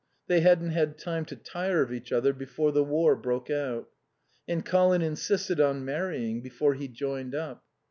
They hadn't had time to tire of each other before the War broke out. And Colin insisted on marrying before he joined up.